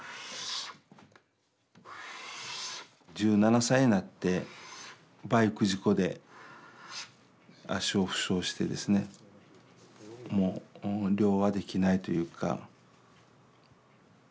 １７歳になってバイク事故で足を負傷してですねもう漁はできないというか。